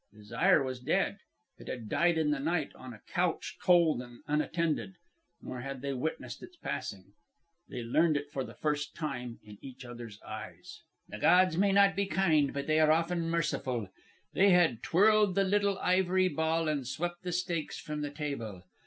Desire was dead. It had died in the night, on a couch cold and unattended; nor had they witnessed its passing. They learned it for the first time in each other's eyes. "The gods may not be kind, but they are often merciful. They had twirled the little ivory ball and swept the stakes from the table.